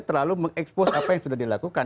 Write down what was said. terlalu mengekspos apa yang sudah dilakukan